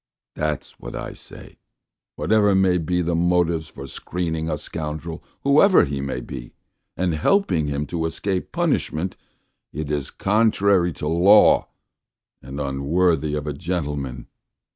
That's what I say: whatever may be the motives for screening a scoundrel, whoever he may be, and helping him to escape punishment, it is contrary to law and unworthy of a gentleman.